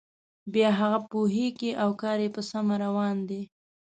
بیا هغه پوهیږي او کار یې په سمه روان دی.